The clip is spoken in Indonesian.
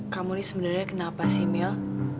kamu ini sebenarnya kenapa si mil